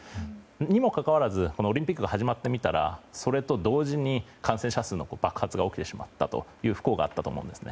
にもかかわらずオリンピックが始まってみたらそれと同時に感染者数の爆発が起きてしまったという不幸があったと思うんですね。